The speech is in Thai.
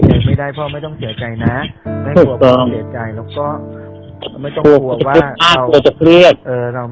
ถ้าไม่ได้พ่อไม่ต้องเสียใจนะ